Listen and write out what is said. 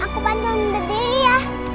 aku pandang berdiri ya